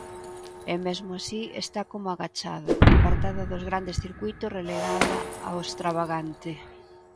E mesmo así está como agachada, apartada dos grandes circuítos, relegada ao extravagante.